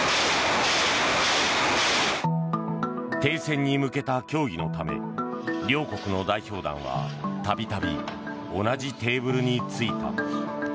停戦に向けた協議のため両国の代表団は度々、同じテーブルについた。